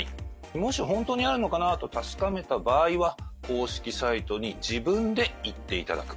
もし本当にあるのかなと確かめた場合は、公式サイトに自分で行っていただく。